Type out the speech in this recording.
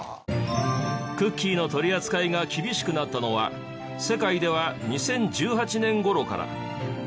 クッキーの取り扱いが厳しくなったのは世界では２０１８年頃から。